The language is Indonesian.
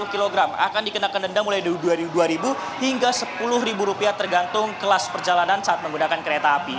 dua puluh kg akan dikenakan denda mulai dari rp dua hingga rp sepuluh tergantung kelas perjalanan saat menggunakan kereta api